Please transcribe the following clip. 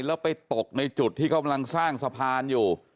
แล้วไปตกในจุดที่กำลังสร้างสะพานอยู่